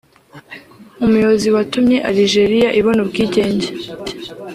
umuyobozi watumye Alijeriya ibona ubwigenge